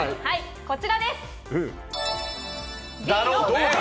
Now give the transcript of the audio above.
こちらです。